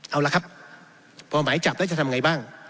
เอาละครับหมายจับได้จะทำยังไงบ้าง